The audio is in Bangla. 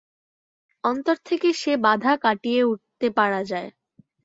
অন্তর থেকে সে বাধা কাটিয়ে উঠতে পারা যায়।